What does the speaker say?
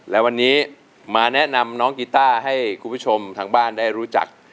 และวันนี้มาแนะนำน้องกีต้าให้คุณผู้ชมทางบ้านได้รู้จัก